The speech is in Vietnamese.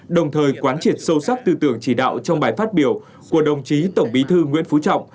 đồng thời quán triệt sâu sắc tư tưởng chỉ đạo trong bài phát biểu của đồng chí tổng bí thư nguyễn phú trọng